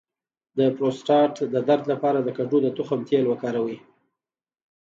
د پروستات د درد لپاره د کدو د تخم تېل وکاروئ